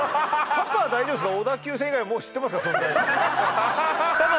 パパは大丈夫ですか？